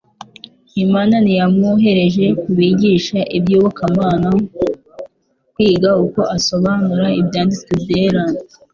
Imana ntiyamwohereje ku bigisha iby'iyobokamana kwiga uko asobanura ibyanditswe byera